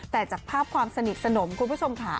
แต่จากภาพความสนิทสนมคุณผู้ชมค่ะ